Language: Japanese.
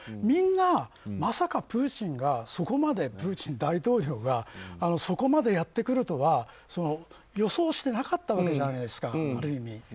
みんな、まさかプーチン大統領がそこまでやってくるとは予想してなかったわけじゃないですか、ある意味。